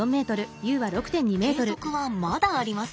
計測はまだあります。